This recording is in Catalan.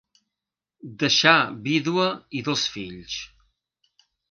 Deixà vídua i dos fills.